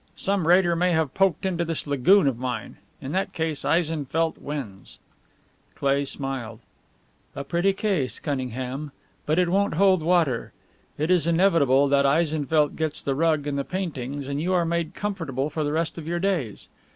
Some raider may have poked into this lagoon of mine. In that case Eisenfeldt wins." Cleigh smiled. "A pretty case, Cunningham, but it won't hold water. It is inevitable that Eisenfeldt gets the rug and the paintings, and you are made comfortable for the rest of your days.